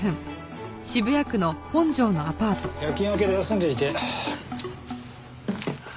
夜勤明けで休んでいて。